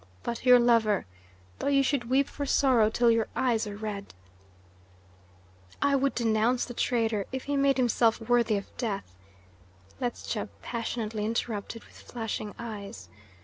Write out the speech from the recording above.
But your lover though you should weep for sorrow till your eyes are red " "I would denounce the traitor, if he made himself worthy of death," Ledscha passionately interrupted, with flashing eyes.